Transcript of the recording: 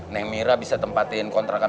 neng mira bisa tempatin kontrakan